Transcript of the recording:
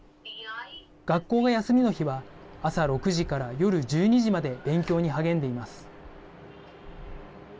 学校が休みの日は朝６時から夜１２時まで勉強に励んでいます。